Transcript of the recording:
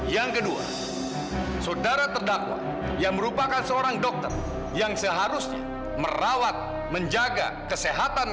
yang kedua saudara terdakwa yang merupakan seorang dokter yang seharusnya merawat menjaga kesehatan